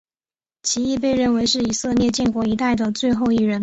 其亦被认为是以色列建国一代的最后一人。